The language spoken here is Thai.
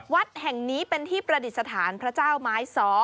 วัดแห่งนี้เป็นที่ประดิษฐานพระเจ้าไม้ซ้อ